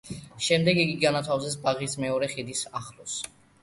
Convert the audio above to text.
შემდეგ იგი განათავსეს ბაღის მეორე ხიდის ახლოს.